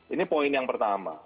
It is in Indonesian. ini poin yang pertama